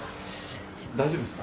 大丈夫ですか？